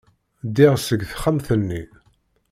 Ddiɣ seg texxamt-nni.